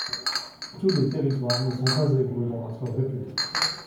Tous les territoires ne sont pas égaux dans notre République.